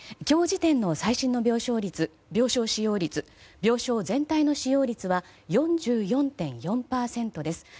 今日時点の最新の病床使用率病床全体の使用率は４４．４％です。